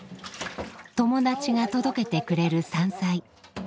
友達が届けてくれる山菜。